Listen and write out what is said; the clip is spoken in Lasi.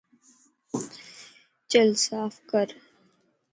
چُلَ صاف ڪر